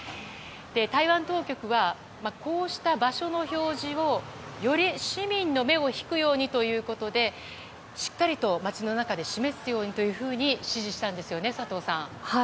台湾当局はこうした場所の表示をより市民の目を引くようにということでしっかりと街の中で示すようにと指示したんですよね、佐藤さん。